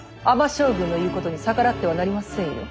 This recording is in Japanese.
尼将軍の言うことに逆らってはなりませんよ。